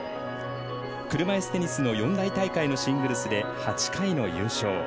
車いすテニスの四大大会のシングルスで８回の優勝。